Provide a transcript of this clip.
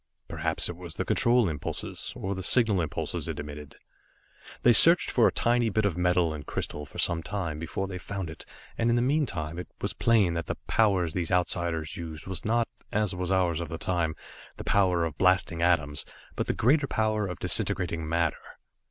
Perhaps it was the control impulses, or the signal impulses it emitted. They searched for the tiny bit of metal and crystal for some time before they found it. And in the meantime it was plain that the power these Outsiders used was not, as was ours of the time, the power of blasting atoms, but the greater power of disintegrating matter.